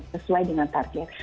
sesuai dengan target